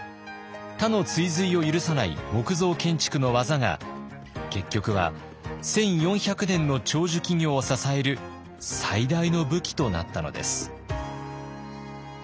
他の追随を許さない木造建築の技が結局は１，４００年の長寿企業を支える最大の武器となったのです。